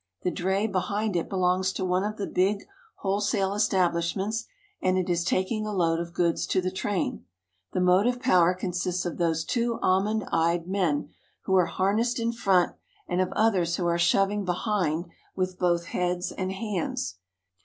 The dray behind it belongs to one of the big wholesale es tablishments, and it is taking a load of goods to the train. The motive power consists of those two almond eyed men who are harnessed in front and of others who are shoving behind with both heads and hands.